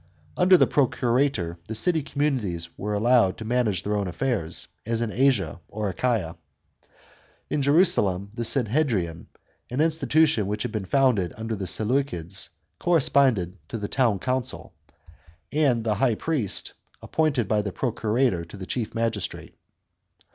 Under the procurator, the city communities were allowed to manage their own affairs, as in Asia or Achaia. In Jerusalem, the synhedrion, an institution which had been founded under the Seleucids, corresponded to the town council, and the high priett, 27 B.C. 14 A.D. JUDEA. 113 appointed by the procurator, to the chief magistrate.